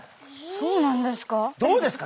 そうなんですか。